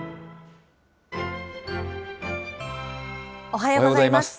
おはようございます。